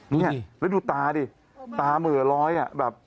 นี่แล้วดูตาดิตาเหมือนร้อยแบบ